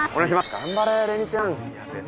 頑張れ！